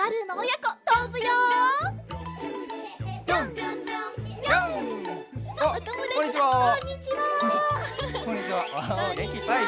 こんにちは！